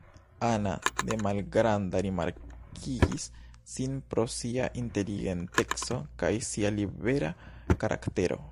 Ana de malgranda rimarkigis sin pro sia inteligenteco kaj sia libera karaktero.